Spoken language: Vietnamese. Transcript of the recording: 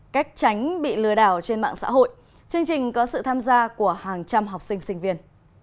cách tránh bị lừa đảo trên mạng xã hội chương trình có sự tham gia của hàng trăm học sinh sinh viên